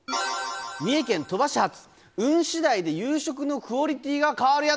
三重県鳥羽市発、運しだいで夕食のクオリティーが変わる宿。